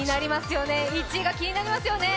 １位が気になりますよね。